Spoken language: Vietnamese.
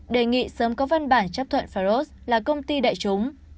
đề nghị sớm có văn bản chấp thuận faros là công ty đại chúng